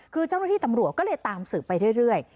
คือเจ้าหน้าที่ตำรวจก็เลยตามสืบไปเรื่อย